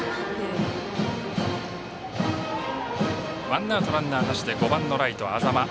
ワンアウトランナーなしで５番のライト、安座間。